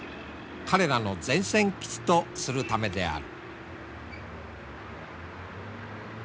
彼らの前線基地とするためである。